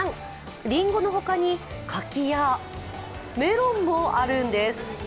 りんごの他に、柿やメロンもあるんです。